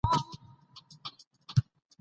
بدلونونه په تدریجي ډول راغلي وو.